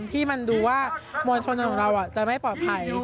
ที่มันดูว่ามวลชนของเราจะไม่ปลอดภัย